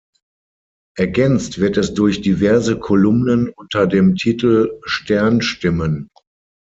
Ergänzt wird es durch diverse Kolumnen unter dem Titel „Stern-Stimmen“.